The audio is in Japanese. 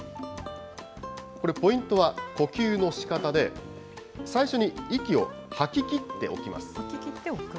これ、ポイントは呼吸のしかたで、最初に息を吐ききっておきます。